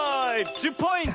１０ポイント！